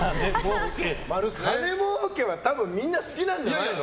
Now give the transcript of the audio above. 金もうけはみんな好きなんじゃないの？